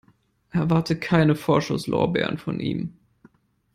Erwarte keine Vorschusslorbeeren von ihm.